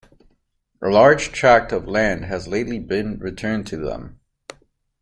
A large tract of land has lately been returned to them.